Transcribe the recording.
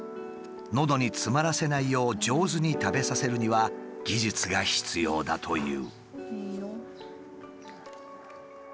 のどに詰まらせないよう上手に食べさせるには技術が必要だという。